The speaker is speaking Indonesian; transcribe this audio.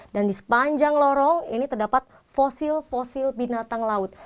dan di sepanjang lorong ini terdapat fosil fosil binatang laut